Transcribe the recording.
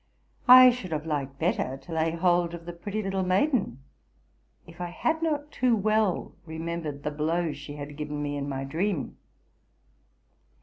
I should have liked better to lay hold of the pretty little maiden if I had not but too well remembered the blow she had given me in my dream.